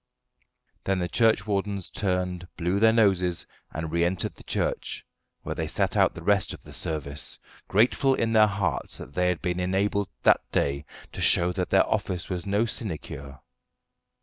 Then the churchwardens turned, blew their noses, and re entered the church, where they sat out the rest of the service, grateful in their hearts that they had been enabled that day to show that their office was no sinecure.